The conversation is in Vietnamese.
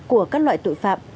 của các loại tội phạm